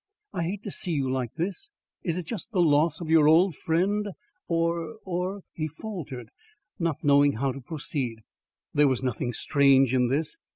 I hate to see you like this. Is it just the loss of your old friend, or or " He faltered, not knowing how to proceed. There was nothing strange in this.